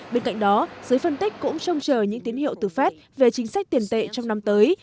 bên cạnh đó giới phân tích cũng trông chờ những tín hiệu từ fed về chính sách tiền tệ trong năm tới